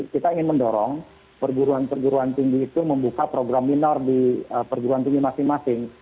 kita ingin mendorong perguruan perguruan tinggi itu membuka program minor di perguruan tinggi masing masing